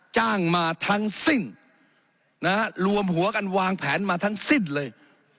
จ้างมาทั้งสิ้นนะฮะรวมหัวกันวางแผนมาทั้งสิ้นเลย